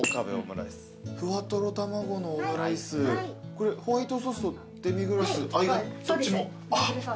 これホワイトソースとデミグラスどっちも？